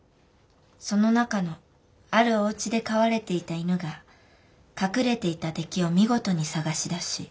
その中のあるおうちで飼われていた犬が隠れていた敵を見事に探し出し。